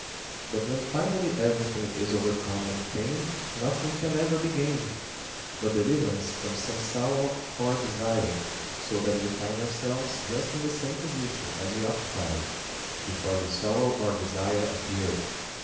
But when finally everything is overcome and attained, nothing can ever be gained but deliverance from some sorrow or desire, so that we find ourselves just in the same position as we occupied before this sorrow or desire appeared.